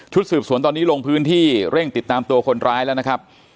สืบสวนตอนนี้ลงพื้นที่เร่งติดตามตัวคนร้ายแล้วนะครับ